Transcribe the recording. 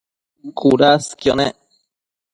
cudasquio nec